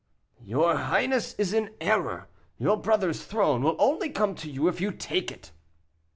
"Your highness is in error; your brother's throne will only come to you if you take it.